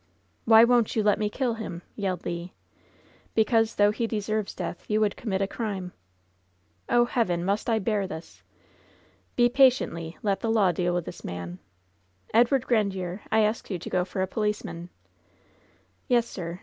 "Why won't you let me kill him t" yelled Le. "Because, though he deserves death, you would com mit a crime." "Oh, Heaven ! must I bear this f ' LOVERS BITTEREST CUP 89 "Be patient, Le! Let the law deal with this man! Edward Grandiere, I asked you to go for a policeman V^ "Yes, sir!